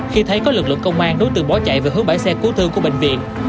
khi thấy có lực lượng công an đối tượng bỏ chạy về hướng bãi xe cứu thương của bệnh viện